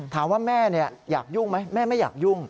ถามว่าแม่อยากยุ่งไหมแม่ไม่อยากยุ่ง